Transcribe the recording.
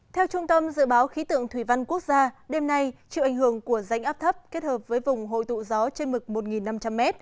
theo trung tâm dự báo khí tượng thủy văn quốc gia đêm nay chịu ảnh hưởng của rãnh áp thấp kết hợp với vùng hội tụ gió trên mực một năm trăm linh m